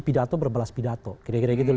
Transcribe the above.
pidato berbalas pidato kira kira gitu loh